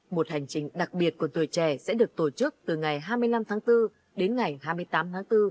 một hành trình đặc biệt của tuổi trẻ sẽ được tổ chức từ ngày hai mươi năm tháng bốn đến ngày hai mươi tám tháng bốn